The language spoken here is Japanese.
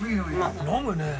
飲むね！